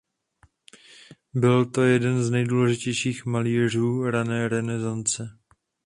Byl to jeden z nejdůležitějších malířů rané renesance.